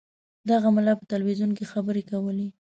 دغه ملا په تلویزیون کې خبرې کولې.